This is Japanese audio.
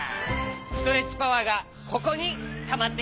ストレッチパワーがここにたまってきただろ！